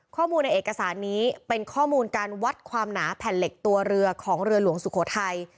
ข้อมูลในเอกสารนี้เป็นข้อมูลการวัดความหนาแผ่นเหล็กตัวเรือของเรือหลวงสุโขทัย